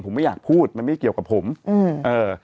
ผมไม่อยากพูดมันไม่เกี่ยวกับผมอืมเออ